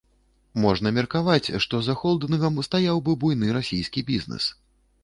Можна меркаваць, што за холдынгам стаяў бы буйны расійскі бізнэс.